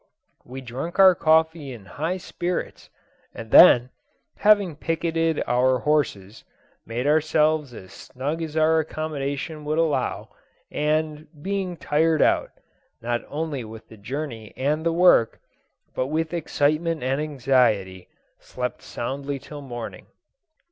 We drunk our coffee in high spirits, and then, having picketted our horses, made ourselves as snug as our accommodation would allow, and, being tired out, not only with the journey and the work, but with excitement and anxiety, slept soundly till morning.